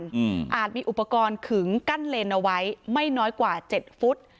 อาจมีอุปกรณ์ขึงกั้นเลนเอาไว้ไม่น้อยกว่าเจ็ดฟุต